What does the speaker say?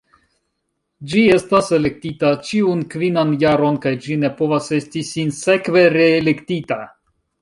Ĝi estas elektita ĉiun kvinan jaron kaj ĝi ne povas esti sinsekve reelektita.